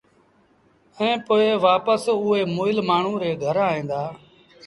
ائيٚݩ پو وآپس اُئي مئيٚل مآڻهوٚٚݩ ري گھر ائيٚݩ دآ